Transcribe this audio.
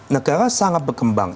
negara sangat berkembang